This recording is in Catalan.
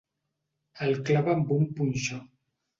El clava amb un punxó.